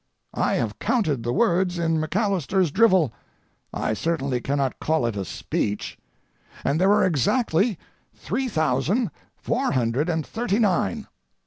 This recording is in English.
I have counted the words in MacAlister's drivel (I certainly cannot call it a speech), and there were exactly three thousand four hundred and thirty nine.